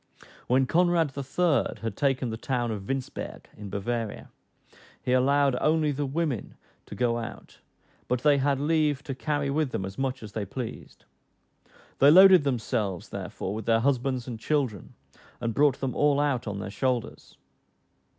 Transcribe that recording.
When Conrad III. had taken the town of Winsberg in Bavaria, he allowed only the women to go out; but they had leave to carry with them as much as they pleased. They loaded themselves, therefore, with their husbands and children, and brought them all out on their shoulders!